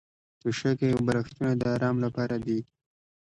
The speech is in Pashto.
توشکې او بالښتونه د ارام لپاره دي.